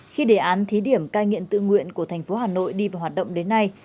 khi đề án thí điểm cai nghiện tự nguyện của thành phố hà nội đi vào hoạt động đến nay